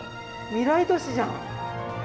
未来都市じゃん。